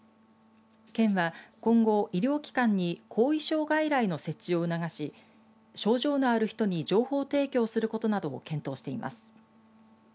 県は今後、医療機関に後遺症外来の設置を促し症状のある人に情報提供することなどを検討しています。